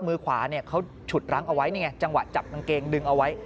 มือขวาเนี่ยเขาฉุดรั้งเอาไว้นี่ไงจังหวะจับกางเกงดึงเอาไว้